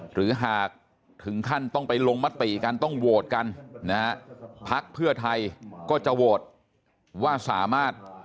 หรือหากถึงขั้นต้องไปลงมติกันต้องโหวตกันนะฮะพักเพื่อไทยก็จะโหวตว่าสามารถ